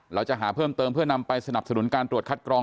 เราจะหาเพิ่มเติมเพื่อนำไปสนับสนุนการตรวจคัดกรอง